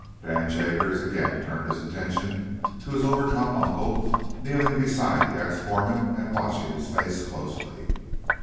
Dan Jaggers again turned his attention to his overcome uncle, kneeling beside the ex foreman and watching his face closely.